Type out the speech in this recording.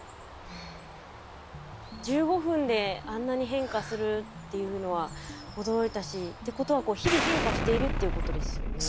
１５分であんなに変化するっていうのは驚いたしってことは日々変化しているっていうことですよね。